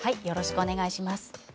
よろしくお願いします。